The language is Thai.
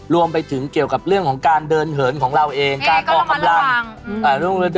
รวมไปถึงเกี่ยวกับเรื่องของการเดินเหินของเราเองการออกกำลัง